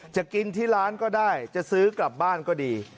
จะกินที่ร้านก็ได้จะซื้อกลับบ้านก็ดี